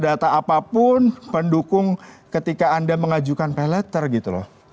data apapun pendukung ketika anda mengajukan pay letter gitu loh